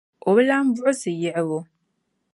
O bi lan buɣisi yiɣibu.